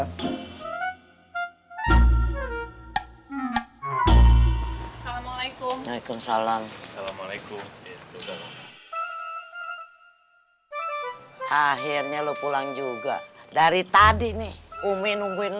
mau youtube ruby lagi gaining propagandi sih